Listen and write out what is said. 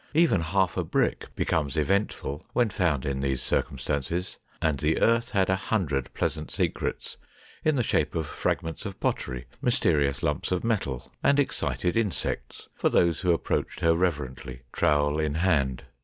Even half a brick becomes eventful when found in these circumstances, and the earth had a hundred pleasant secrets in the shape of fragments of pottery, mysterious lumps of metal and excited insects for those who approached her reverently, trowel in hand.